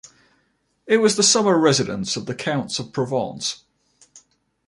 It was the summer residence of the counts of Provence.